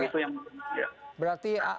itu yang penting